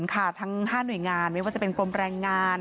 ข้าง๕หนุ่ยงานไม๊ว่าจะเป็นปรัมแรงงาน